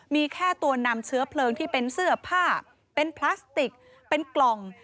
มีแค่ตัวนำเชื้อเพลิงที่เป็นเสื้อผ้าเป็นพลาสติกเป็นกล่อง